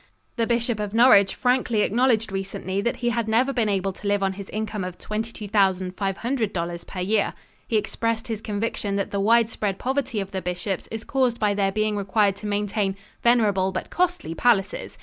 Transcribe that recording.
The Bishop of Norwich frankly acknowledged recently that he had never been able to live on his income of $22,500 per year. He expressed his conviction that the wide spread poverty of the bishops is caused by their being required to maintain "venerable but costly palaces."